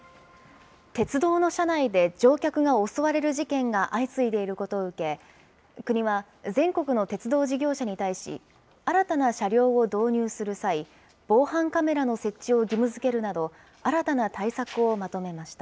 鉄道の車内で乗客が襲われる事件が相次いでいることを受け、国は全国の鉄道事業者に対し、新たな車両を導入する際、防犯カメラの設置を義務づけるなど、新たな対策をまとめました。